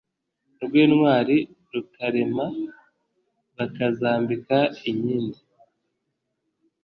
Urw' intwari rukarema; Bakazambika inkindi,